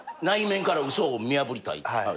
内面から嘘を見破りたい。